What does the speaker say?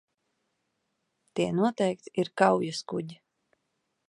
Tie noteikti ir kaujaskuģi.